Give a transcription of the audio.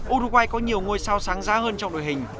uruguay có nhiều ngôi sao sáng giá hơn trong đội hình